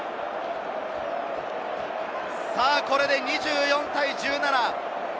これで２４対１７。